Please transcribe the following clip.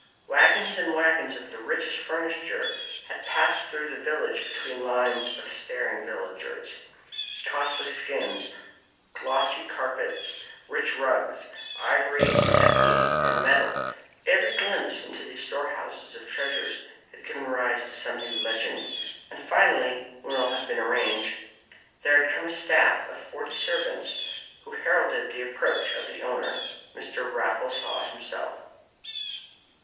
Waggons and waggons of the richest furniture had passed through the village between lines of staring villagers. Costly skins, glossy carpets, rich rugs, ivory, and ebony, and metal; every glimpse into these storehouses of treasure had given rise to some new legend. And finally, when all had been arranged, there had come a staff of forty servants, who heralded the approach of the owner, Mr. Raffles Haw himself.